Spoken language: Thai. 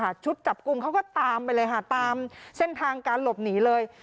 ท่านเป็นคนเขาก็ตามไปตามเส้นทางการหลบหนีเลย